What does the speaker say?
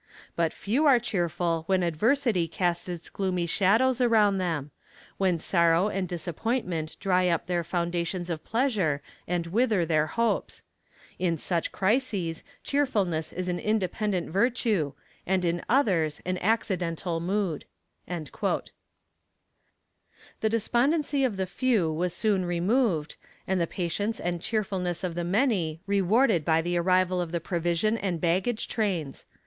But few are cheerful when adversity casts its gloomy shadows around them; when sorrow and disappointment dry up their fountains of pleasure and wither their hopes. In such crises cheerfulness is an independent virtue, and in others an accidental mood." The despondency of the few was soon removed, and the patience and cheerfulness of the many rewarded by the arrival of the provision and baggage trains.